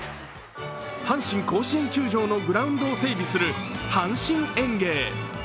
阪神甲子園球場のグラウンドを整備する阪神園芸。